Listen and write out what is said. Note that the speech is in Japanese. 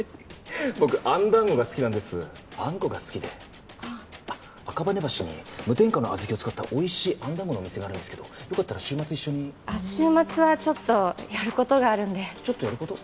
僕あん団子が好きなんですあんこが好きであっ赤羽橋に無添加の小豆を使ったおいしいあん団子のお店があるんですけどよかったら週末一緒に週末はちょっとやることがあるんでちょっとやること？